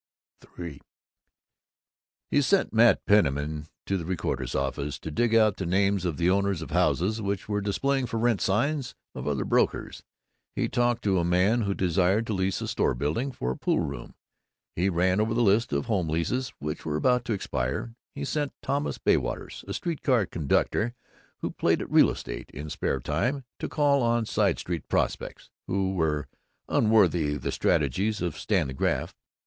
III He sent Mat Penniman to the recorder's office to dig out the names of the owners of houses which were displaying For Rent signs of other brokers; he talked to a man who desired to lease a store building for a pool room; he ran over the list of home leases which were about to expire; he sent Thomas Bywaters, a street car conductor who played at real estate in spare time, to call on side street "prospects" who were unworthy the strategies of Stanley Graff.